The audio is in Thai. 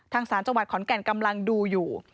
สารจังหวัดขอนแก่นกำลังดูอยู่